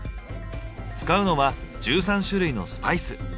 使うのは１３種類のスパイス。